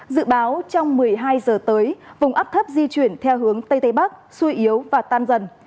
dự báo trong một mươi hai giờ tới vùng áp thấp di chuyển theo hướng tây tây bắc suy yếu và tan dần